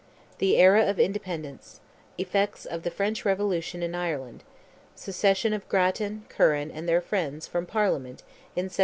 THE ERA OF INDEPENDENCE—EFFECTS OF THE FRENCH REVOLUTION IN IRELAND—SECESSION OF GRATTAN, CURRAN, AND THEIR FRIENDS, FROM PARLIAMENT, IN 1797.